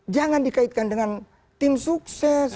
jangan dikaitkan dengan tim sukses